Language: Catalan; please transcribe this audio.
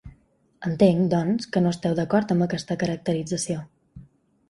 Entenc, doncs, que no esteu dacord amb aquesta caracterització.